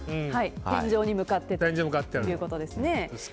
天井に向かってということですね。